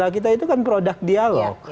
kita itu kan produk dialog